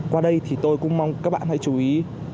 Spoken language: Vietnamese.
qua đây thì tôi cũng mong các bạn hãy chú ý